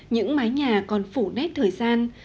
những mái nhà còn phủ nét thời gian